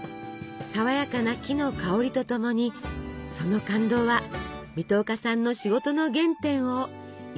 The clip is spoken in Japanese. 爽やかな木の香りと共にその感動は水戸岡さんの仕事の原点を彩り続けます。